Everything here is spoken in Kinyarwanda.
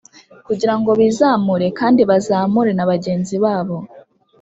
kugira ngo bizamure kandi bazamure na bagenzi babo.